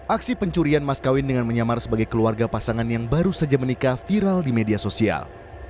aksi pencurian mas kawin dengan menyamar sebagai keluarga pasangan yang baru saja menikah viral di media sosial